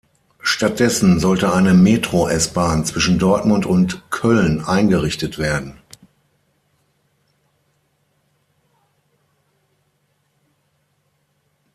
Stattdessen sollte eine „Metro-S-Bahn“ zwischen Dortmund und Köln eingerichtet werden.